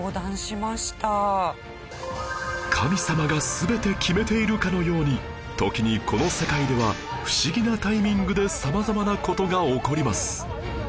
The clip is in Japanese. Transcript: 神様が全て決めているかのように時にこの世界では不思議なタイミングで様々な事が起こります